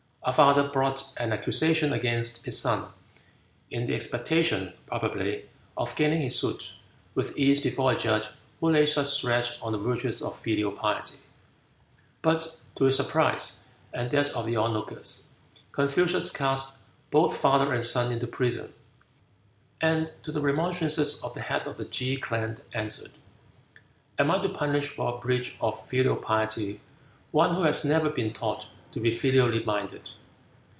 A father brought an accusation against his son, in the expectation, probably, of gaining his suit with ease before a judge who laid such stress on the virtues of filial piety. But to his surprise, and that of the on lookers, Confucius cast both father and son into prison, and to the remonstrances of the head of the Ke clan answered, "Am I to punish for a breach of filial piety one who has never been taught to be filially minded?